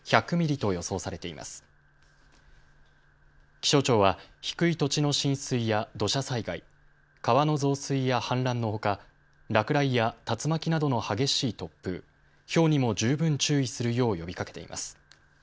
気象庁は低い土地の浸水や土砂災害、川の増水や氾濫のほか落雷や竜巻などの激しい突風、ひょうにも十分注意するよう呼びかけています。